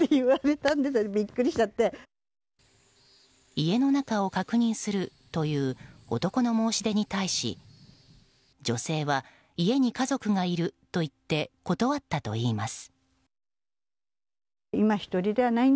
家の中を確認するという男の申し出に対し女性は、家に家族がいると言って断ったといいます。